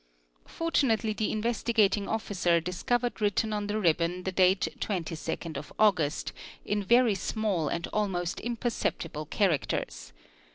or unately the Investigating Officer discovered written on the ribbon le date 22/8 in very small and almost imperceptible characters.